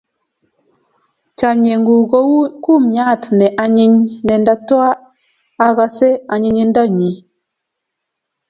Chonye ng'ung' kou kumyat ne anyiny ne ndatwaa akase anyinyindo nyi